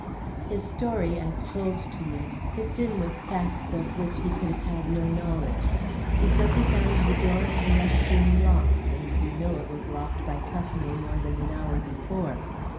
"His story, as told to me, fits in with facts of which he could have had no knowledge. He says he found the door of the left wing locked, and we know it was locked by Tufnell more than an hour before.